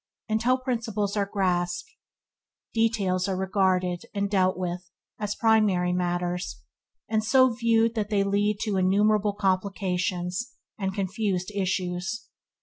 Until principles are grasped, details are regarded, and dealt with, as primary matters, and so viewed they lead to innumerable complications and confused issues.